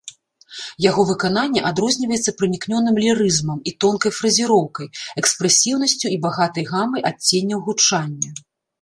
Яго выкананне адрозніваецца пранікнёным лірызмам і тонкай фразіроўкай, экспрэсіўнасцю і багатай гамай адценняў гучання.